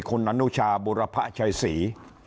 คุณอนุชาบุรพะชัยศรี